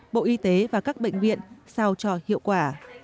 bộ y tế và các bệnh viện sao cho hiệu quả